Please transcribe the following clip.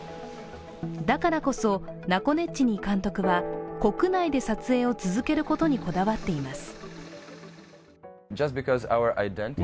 だからこそ、ナコネッチニィ監督は国内で撮影を続けることにこだわっています。